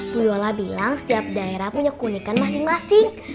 bu doyola bilang setiap daerah punya kunikan masing masing